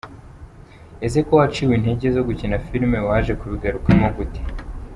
Ese ko waciwe intege zo gukina filime, waje kubigarukamo gute?.